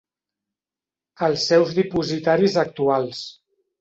Els seus dipositaris actuals.